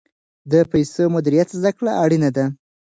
د پیسو مدیریت زده کړه اړینه ده.